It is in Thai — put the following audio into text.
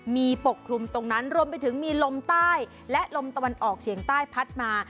มีปกคลุมตรงนั้นรวมไปถึงมีลมใต้และลมตะวันออกเฉียงใต้พัดมา